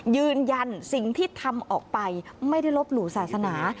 ยืนยันสิ่งที่ทำออกไปไม่ได้ลบหลู่ศาสนา